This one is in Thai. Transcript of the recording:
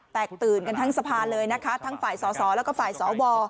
แตกตื่นกันทั้งสภาเลยนะคะทั้งฝ่ายสอสอแล้วก็ฝ่ายสว